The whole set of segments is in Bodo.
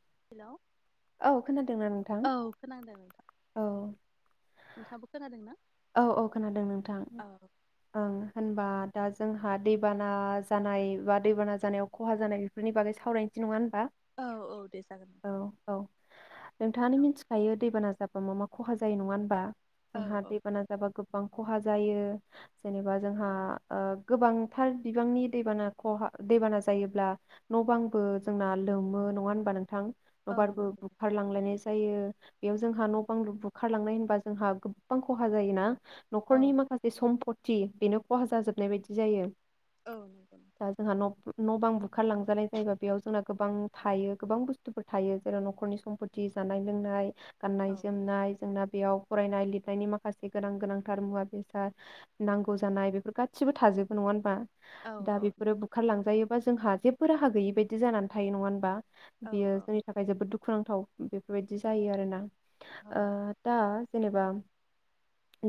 [inaudible] औ खोनादोंना नोंथां खोनांदों, नोंथां औ नोंथाङाबो खोनादों ना? औ औ खोनादों नोंथां औ ओं होनबा दा जोंहा दैबाना जानाय, बा दैबाना जानायाव खहा जानाय, बेफोरनि बागै सावरायनो [unintelligible] औ औ दे जागोन नोंथां। औ नोंथाङानो औ मिथिखायो दैबाना जाब बा मा मा खहा जायो नङा होनबा जोंहा औ बे जाबा गोबां खहा जायो जेनेबा जोंहा ओ गोबांथार बिबांनि दैबाना खहा दैबाना जायोब्ला न' बांबो जोंना लोमो नङा होनबा नोंथां औ नबारबो नंगौ बुखारलांलायनाय जायो बेयाव जोंहा नोंथां। न' बां लुब्रब खारलांनाय होनबा जोंहा गोबां ख खहा जायोना औ न'खरनि माखासे सम्प थि बेनो खहा जाजोबनाय बायदि जायो औ नोंगौ नोंथां दा जोंहा न' न' बां बुखार लांजानाय जायोबा बेयाव जोंना गोबां थायो गोबां बुस्थुफोर थायो जेराव न'खरनि सम्पथि जानाय लोंनाय गाननाय औ जोमनाय जोंना बेयाव फरायनाय लिरनायनि मा खासे गोनां गोनांथार मुवा बेसाद नांगौ जानाय बेफोर गासिबो थाजोबो नङा होनबा औ दा औ बेफोरो बुखारलांजायो बा जोंहा जेबो राहा गैयि बायदि जानानै थायो नङा होनबा औ बियो जोंनि थाखाय जोबोद दुखु दुखुनांथाव बेफोरबायदि जायो आरोना औ आ दा जेनेबा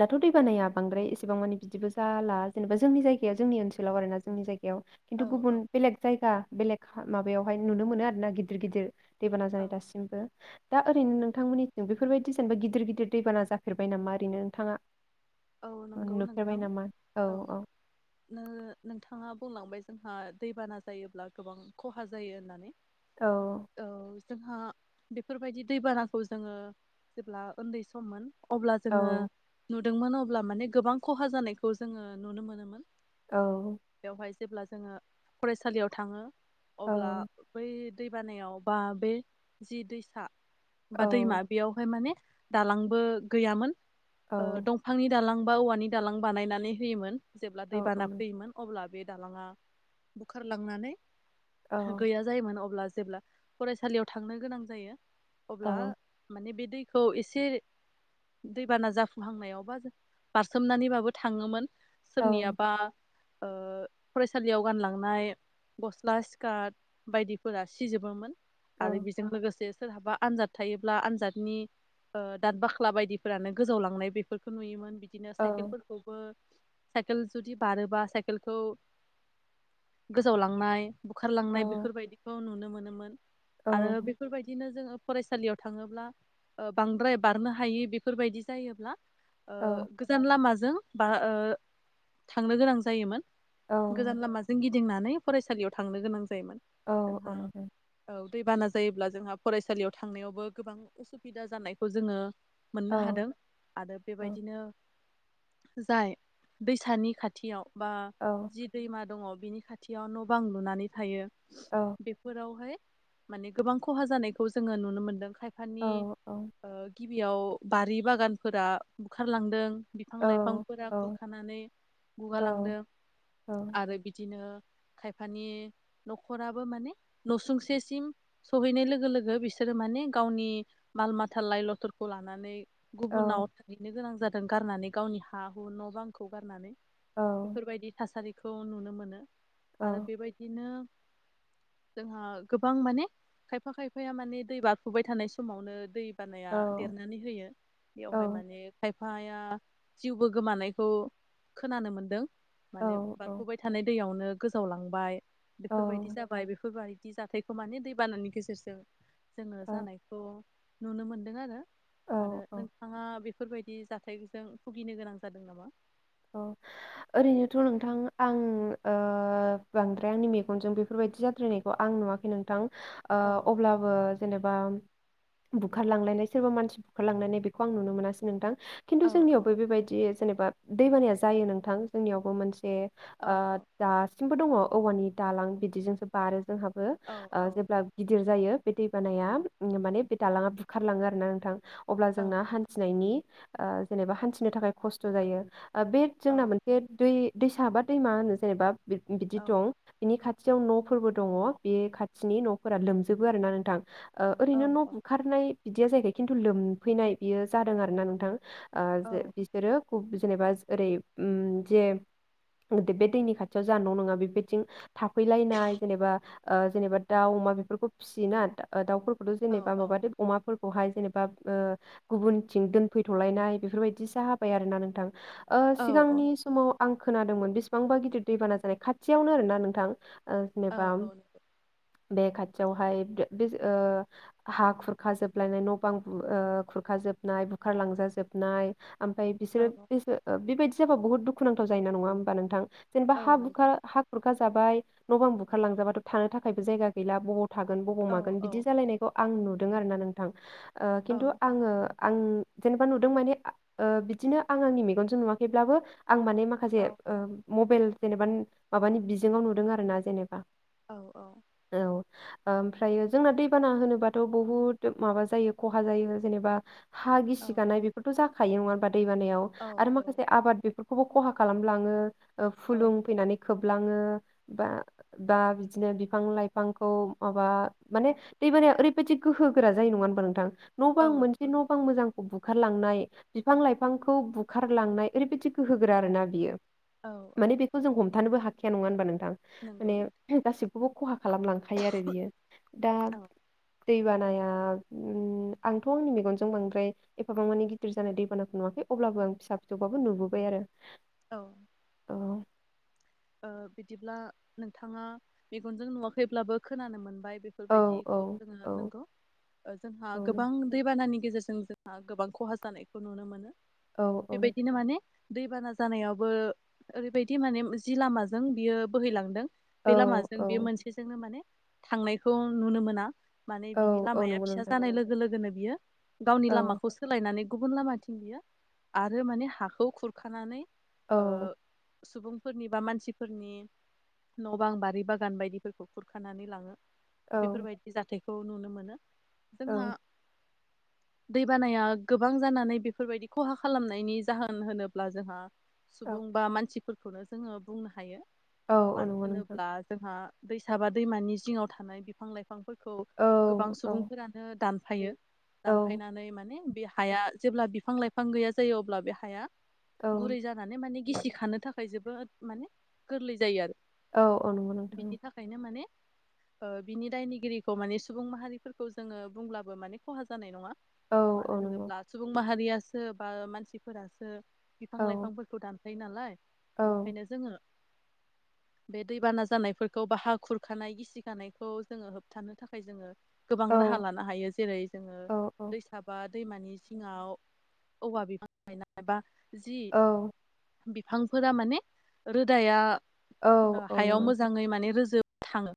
दाथ' दै बानाया बांद्राय एसेबां मानि‌ बिदिबो जाला जेनेबा जोंनि जायगायाव जोंनि ओनसोलाव आरोना जोंनि जायगायाव खिन्थु गुबुन औ बेलेग जायगा बेलेग माबायावहाय नुनो मोनो आरो ना गिदिर गिदिर देबाना औ जानाय दासिमबो दा ओरैनो नंगौ नोंथांमोननि बेफोरबायदि जेनेबा गिदिर गिदिर दैबाना जाफेरबाय नामा नोंथाङा औ नंगौ नोंथां औ नो नोंथाङा बुंलांबाय जोंहा दैबाना जायोब्ला गोबां खहा जायो होननानै औ औ जोंहा बेफोरबायदि दैबानाखौ जोङो जेब्ला उन्दै सम अब्ला औ जोङो नु दोंमोन अब्ला माने गोबां खहा जानायखौ जोङो नुनो मोनोमोन औ बेवहाय जेब्ला जोङो फरायसालियाव थाङो औ अब्ला बै दै बानायाव बा बे जि दैसा बा दैमा औ बेयावहाय माने दालांबो गैयामोन औ नि दालां बा औवानि दालां बानायनानै होयोमोन जेब्ला औ औ दैबाना नों- फैयोमोन अब्ला बे दालाङा बुखारलांनानै औ गैया जायोमोन अब्ला जेब्ला फरायसालियाव थांनो गोनां जायो औ अब्ला माने बे दैखौ एसे दैबाना जाफुंहांनायावबा बारसोमनानैबाबो थाङोमोन औ सोरनियाबा ओ फरायसालियाव गानलांनाय गस्ला सि्कार्ट बायदिफोरा सिजोबोमोन औ आरो बिजों लोगोसे सोरहाबा आनजाद थायोब्ला आनजादनि ओ दाद बाख्ला बायदिफोरानो गोजावलांनाय बेफोर खौ नुयोमोन बिदिनो साइकेलफोरखौबो साइकेल जुदि बारोबा साइकेलखौ गोजावलांनाय बुखारलांनाय बेफोरबायदिखौ नुनो मोनोमोन आरो बेफोरबायदिनो जोङो फरायसालियाव थाङोब्ला ओ बांद्राय बारनो हायि बेफोरबायदि जायोब्ला ओ गोजान लामाजों जों बा ओ थांनो गोनां जायोमोन औ गोजान लामाजों गिदिं गिदिंनानै फरायसालियाव थांनो गोनां जायो जायोमोन औ औ जोंहा नंगौ औ दैबाना जायोब्ला जोंहा फरायसालियाव थांनायावबो गोबां असुबिदा जानायखौ जोङो मोननो औ हादों औ बेबायदिनो जाय दैसानि खाथियाव बा औ जि दैमा दङ बिनि खाथियाव न' बां लुनानै थायो औ बेफोरावहाय माने गोबां खहा जानायखौ जोङो नुनो मोनदों औ खायफानि औ ओ गिबियाव बारि बागान फोरा बुखारलांदों बिफां लाइफांफोरा औ खुरखानानै औ गुगालांदों औ आरो बिदिनो खायफानि न'खराबो माने न'सुंसेसिम सहैनाय लोगो लोगो बिसोरो माने गावनि माल माथा लाइ लथरखौ लानानै औ गुबुनाव थाहैनो गोनां जा दों गारनानै गावनि हा हु न' बांखौ गारनानै औ बेफोरबायदि थासारि खौ नुनो मोनो औ आरो बेबायदिनो जोंहा गोबां माने खायफा खायफाया माने दै बारफुबाय थानाय समावनो दै बानाया औ देरनानै होयो बेखौहाय माने खायफाया जिउबो गोमानायखौ खोनानो मोनदों औ माने बारफुबाय थानाय दैयावनो गोजावलांबाय बेफोरबायदि जाबाय बेफोरबाय दि जाथायखौ माने दै बानानि गेजेरजों जोङो औ जानायखौ नुनो मोन्दों आरो आरो नोंथाङा बेफोरबायदि जाथायजों भुगिनो गोनां जादों नामा औ ओरैनोथ' नोंथां आं ओ बांद्राय आंनि मेगनजों बेफोरबायदि जाद्रायनायखौ आं नुवाखै नोंथां ओ औ अब्लाबो जेनेबा बुखारलांलायनाय सोरबा मानसि बुखारलांलायनाय बेखौ आं नुनो मोनासै नोंथां औ खिन्थु औ जोंनियावबो बेबायदि जेनेबा दैबानाया जायो नोंथां जोंनियावबो मोनसे औ ओ औ दासिमबो दङ औवानि दालां बिदिजोंसो बारो जोंहा औ औ जेब्ला गिदिर जायो बे दै बानाया माने बे दालाङा बुखारलाङो आरो ना नोंथां अब्ला औ जोंना हान्थिनायनि ओ जेनेबा हान्थिनो थाखाय खस्थ' जायो बे औ जोंना मोनसे दुइ दैसा बा दैमा होनो जेनेबा बिदि औ दं बिनि खा खाथिजों न'फोरबो दङ बे खाथिनि न'फोरा लोमजोबो आरो ना नोंथां ओरैनो न' औ बुखारनाय बिदिया जाहैखाय खिन्थु लोमफैनाय बियो जादों आरो ना नोंथां ओ जे औ बिसोरो [unintelligible] जेनेबा ओरै जे बे दैनि खाथियाव जानाय न' नङा बेबायथिं थाफैलायनाय जेनेबा जेनेबा दाउ अमा बेफोरखौ फिसियो ना दाउ औ जेनेबा औ माबादेब अमाफोर बेहाय जेनेबा गुबुनथिं दोनफैथ'लायनाय बेफोरबायदि जाबाय आरो ना नोंथां [inaudible] ओ औ औ सिगांनि समाव आं खोनादोंमोन बेसेबांबा गिदिर दैबाना जानाय खाथियावनो आरो ना नोंथां औ जेनेबा औ बे खाथियावहाय बे ओ हा खुरखा जोबलायनाय न' बां ओ खुरखा जोबनाय बुखार लांजाजोबनाय ओमफाय औ बिसोरो बेबायदि जाबा बहुत दुखुनांथाव जायोना नङा होमबा नोंथां जेनेबा औ नंगौ हाबुखार हा खुरखा जाबाय न' बांं बुखारलांजाबाथ' थानो थाखायबो जायगा गैला बहुत थागोन बबाव औ मागोन औ बिदि जालायनायखौ आं नु आरो ना नोंथां ओ औ खिन्थु आङो आं जेनेबा नुदों माने ओ बिदिनो आं आंनि मेगनजों नुवाखैब्लाबो आं माने माखासे औ ओ मबाइल जेनेबा माबानि बिजोंआव नुदों आरो ना जेनेबा औ औ औ ओमफ्रायो जोंना दैबाना होनोबाथ' बुहुद माबा जायो खहा जायो जेनेबा हा गिसि गानाय बेफोरथ' जाख खायो नङा होनबा दैबानाया आरो माखासे आबाद बेफोर खौबो खहा खालामलाङो ओ औ फुलुं फैनानै खोबलाङो बा बा बिदिनो बिफां लाइफांखौ माबा माने दैबानाया ओरैबायदि गोहो गोरा जायो नङा होनबा नोंथां न' औ बांं मोनसे नंगौ न' बांं मोजां बुखारलांनाय बिफां लाइफांखौ बु खारलांनाय ओरैबायदिखौ गोहो गोरा आरो ना बियो औ औ माने बेखौ जों हम थानोबो हाखाया नङा होनबा नों थां नंगौ नोंथां माने गासि खौबो खहा खालामलांखायो आरो बियो दा औ दैबानाया ओम आंथ' आंनि मेगनजों बांद्राय एफाबां मानि गिदिर जानाय दैबानाखौ नुवाखै अब्लाबो आं फिसा फिसौबाबो नुबोबाय आरो औ औ ओ बिदिब्ला नोंथाङा मेगनजों नुवाखैब्लाबो खोनानो मोनबाय औ बेफोरबायदिखौ औ जोङो नोंगौ ओ जोंहा औ गोबां दैबानानि गेजेर जों जोंहा गोबां खहा जानायखौ नुनो मोनो औ औ नोंथां बेबायदिनो माने दैबाना जानायावबो ओरै बायदि माने जि लामाजों बियो बोहैलांदों बे लामाजों बेयो मोनसेजोंनो माने थांनायखौ नुनो मोना माने औ बिनि औ लामाया नंगौ फिसा नोंथां जानाय लोगो लोगोनो बियो गावनि औ लामाखौ सोलायनानै गुबुन लामाथिं बियो आरो माने हाखौ खुरखानानै औ सुबुं फोरनि बा मानसिफोरनि न' बां बारि बागान बायदिफोरखौ खुरखानानै लाङो औ बेफोरबायदि जाथाय खौ नुनो मोनो औ जोंहा दैबानाया गोबां जानानै बेफोरबायदि खहा खालामनायनि जाहोन होनोब्ला जोंहा सुबुं बा मानसि खौनो जोङो बुंनो हायो औ औ मानो नंगौ नोंथां होनोब्ला जोंहा दैसाबा दैमानि जिङाव थानाय बिफां लाइफां फोरखौ औ गोबां औ सुबुंफोरानो दान फायो औ दानफायनानै माने बे हाया जेब्ला बिफां लाइफां गैया जायो अब्ला बे हाया गुरै जानानै माने गिसि खानो था खाय जोबोद माने गोरलै जायो आरो औ औ नंगौ नोंथां औ बिनि थाखायनो माने ओ बिनि दायनिगिरिखौ माने सुबुं माहारिफोरखौ जोङो बुंब्लाबो माने खहा जानाय नङा औ मानो औ नंगौ होनोब्ला सुबुं माहारिया सो बा मानसिफोरासो बिफां औ लाइफांफोरखौ दान फायो नालाय औ बेनिखायनो जोङो बे दैबाना जानायफोरखौ बा हा खुरखानाय गिसिखानायखौ जोङो होबथानो थाखाय जोङो गोबां औ राहा लानो हायो जेरै जोङो औ औ दैसा बा दैमानि जिङाव औवा बिफां गायनाय बा जि औ बि फांफोरा माने रोदाया औ ओ औ हायाव नंगौ नोंथां मोजाङै माने रोजोब थाङो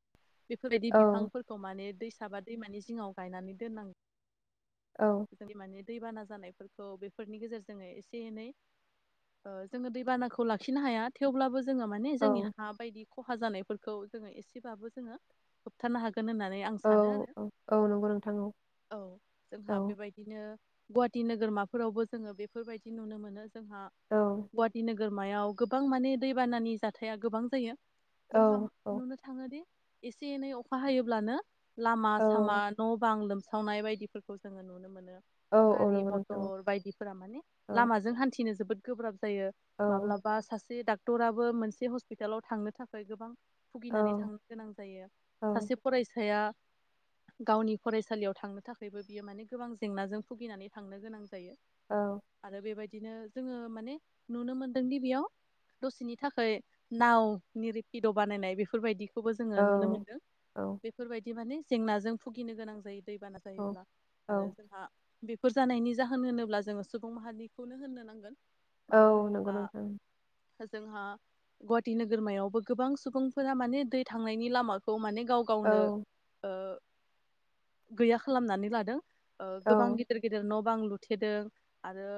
बेफोरबायदि औ बिफांफोरखौ माने दै फिसाबा दैमानि जिङाव गायनानै दोननां औ [unintelligible] दै बाना जानायफोरखौ बेफोरनि गेजेरजों एसे एनै जोङो दै बानाखौ लाखिनो हाया थेवब्लाबो जोङो माने जोंनि औ हा बायदि खहा जानायफोरखौ जोङो एसेबाबो जोङो होबथानो हा गोन होननानै आं औ सानो आरो औ औ नंगौ नोंथां औ औ जोंहा बेबायदिनो गुवाहाटि नोगोरमाफोरावबो जोङो बेफोरबायदि नुनो मोनो जोंहा औ नोगोरमायाव गोबां माने दैबानानि जाथाया गोबां जायो औ जोंहा नुनो थाङोदि एसे एनै अखा हायोब्लानो लामा औ सामा न' बां लोम सावनाय बायदिफोरखौ जोङो नुनो मोनो औ औ गारि नंगौ नोंथां औ मथर बायदिफोरा माने औ लामाजों हान्थिनो जोबोद गोब्राब जायो औ माब्लाबा सासे डक्टराबो मोनसे हस्पिटालाव थांनो थाखाय गोबां औ भुगिनानै थांनो गोनां जायो सासे फरायसाया गावनि फरायसालियाव थांनो थाखायबो बियो माने गोबां जेंनाजों भुगिनानै थांनो गोनां जायो औ आरो बेबायदि बिदिनो जोङो माने नुनो मोनदों दि बेयाव दसेनि थाखाय नाव नि रिपिद' बानायनाय बेफोरबायदि खौबो जोङो नुनो मोनदों औ बेफोरबायदि माने जेंनाजों भुगिनो गोनां जायो दैबाना जायोब्ला औ आरो जोंहा बे फोर जानायनि जाहोन होनोब्ला जोङो सुबुं माहारिखौनो होननो नांगोन औ मानो नंगौ होनोब्ला नोंथां जोंहा गुवाहाटि नोगोरमायावबो गोबां सुबुंफोरा माने दै थांनायनि लामाखौ माने गाव औ गावनो ओ गैया खालामनानै लादों ओ औ औ गोबां गिदिर गिदिर न' बां लुथेदों आरो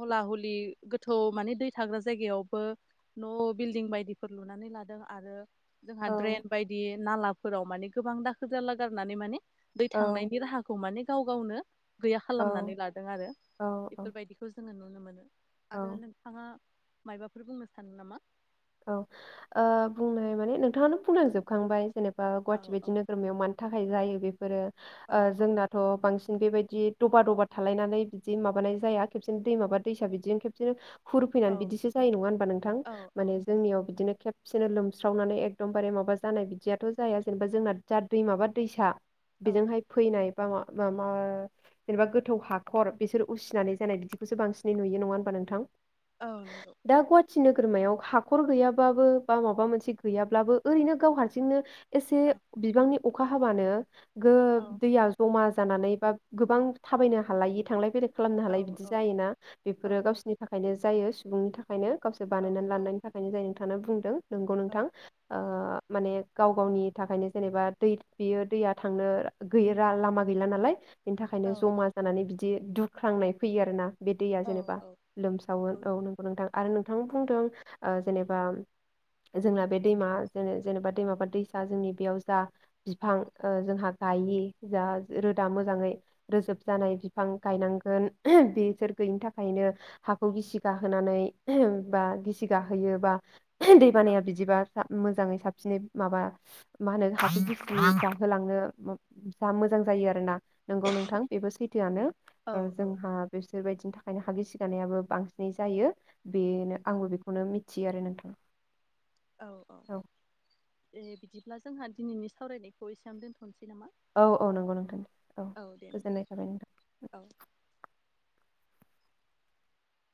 हला हलि बि गोथौ माने दै थाग्रा जायगायावबो न' बिल्डिं बायदिफोर लुनानै लादों आरो जोंहा औ औ ड्रेन बायदि नालाफोराव माने गोबां दाखोर जाला गारनानै माने दै थांनायनि राहाखौ माने गाव गावनो गैया खालामनानै लादों आरो औ औ बेफोरबायदिखौ जोङो नु नो मोनो औ आरो नोंथाङा मायबाफोर बुंनो सानो नामा औ ओ बुंनाय माने नोंथाङानो बुंलांजोबखांबाय जेने बा औ गुहाटी औ बायदि नोरमायाव मानि थाखाय जायो बे फोरो औ ओ औ जोंनाथ' बांसिन बेबायदि दबा दबा थालायनानै बिदि माबानाय जाया खेबसेनो दैमा बा दैसा बिदिनो खेबसेनो हुर औ फैनानै बिदिसो जायो नङा होनबा नोंथां औ औ माने जोंनियाव बिदिनो खेबसेनो लोमस्रावनानै एकदमबारे माबा जानाय बिदियाथ' जाया जेनेबा जोंना जाद दैमाबा दैसा औ बेजोंहाय फैनाय बा मा बा मा जेनेबा गोथौ हाखर बिसोर उसिनानै जानाय बिदिखौसो बांसिनै नुयो नङा होनबा नोंथां औ नोंगौ थि नोगोरमायाव हाखर गैयाबाबो बा माबा मोनसे गैयाब्लाबो ओरैनो गाव हारसिंनो एसे औ बिबांनि अखा हाबानो गो औ दैया जमा जानानै बा गोबां थाबायनो हालायि थांलाय फैलाय खालामनो औ हालाय बिदि औ जायोना औ बेफोरो गावसिनि थाखायनो जायो [unintelligible] ओंखायनो गावसो जायो बानायनानै औ लानाय नोंथाङानो बुंदों नोंगौ औ नोंथां ओ नंगौ माने गाव गावनि थाखायनो जेनेबा दै बेयो दैया थांनो गै लामा गैला नालाय बेनि औ थाखायनो औ जमा जानानै बिदि दुख ख्रांनाय फैयो आरो ना बे दैया औ जेनेबा औ लोमसावो औ नंगौ नोंथां आरो नोंथां बुंदों ओ जेनेबा जोंना बे दैमा जेने-जेनेबा दैमा दैसा जोंनि बेयाव जा बिफां जोंहा गायि जा रोदा मोजाङै रोजोब जानाय बिफां गायनांगोन बेसोर गैयिनि थाखायनो हाखौ गिसि गाहोनानै बा गिसि गाहोयो बा औ दैबानाया बिदिबा सा मोजाङै साब बिनि माबा मा होनो [unintelligible] गाखोलांनो मोजां जायो आरो ना नंगौ नोंथां बेबो सैथोआनो औ ओ औ जोंहा बिसोरबायदिनि थाखाय ओंखायनो हा गिसि गानायाबो बांसिनै जायो बेनो औ आंबो बे मिथियो आरो नोंथां औ औ दे बिदिब्ला जोंहा दिनैनि सावरायनायखौ एसेयावनो दोनथ'नोसै नामा? औ औ नंगौ नोंथां औ दे नोंथां गोजोननाय थाबाय नोंथां औ